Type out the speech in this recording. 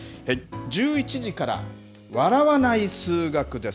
１１時から、笑わない数学です。